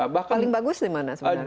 paling bagus dimana sebenarnya